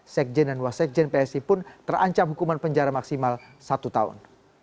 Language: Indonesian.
sekjen dan wasekjen psi pun terancam hukuman penjara maksimal satu tahun